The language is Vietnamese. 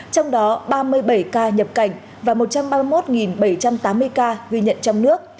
trong đó ba mươi bảy ca nhập cảnh và một trăm ba mươi một bảy trăm tám mươi ca ghi nhận trong nước